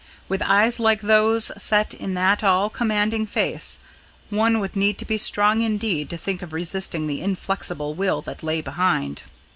With eyes like those, set in that all commanding face, one would need to be strong indeed to think of resisting the inflexible will that lay behind.